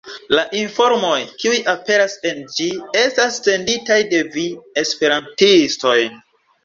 La informoj, kiuj aperas en ĝi, estas senditaj de vi, esperantistoj.